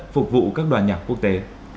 phục vụ các đoàn nhạc quốc tế